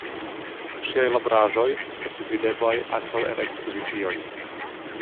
Ŝiaj laboraĵoj estis videblaj ankaŭ en ekspozicioj.